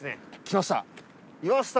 来ました。